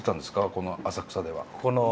この浅草では。